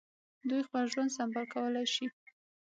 دوی خپل ژوند سمبال کولای شي.